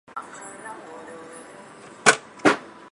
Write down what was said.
仰叶拟细湿藓为柳叶藓科拟细湿藓下的一个种。